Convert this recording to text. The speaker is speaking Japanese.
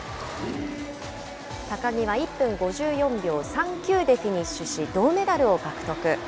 高木は１分５４秒３９でフィニッシュし、銅メダルを獲得。